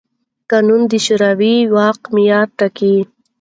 قانون د مشروع واک معیار ټاکي.